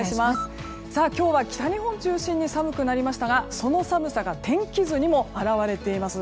今日は北日本を中心に寒くなりましたがその寒さが天気図にも表れています。